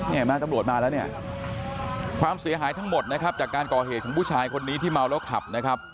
นี่มาตำรวจมาแล้วความเสียหายทั้งหมดจากการก่อเหตุของผู้ชายคนนี้ที่เมาแล้วขับ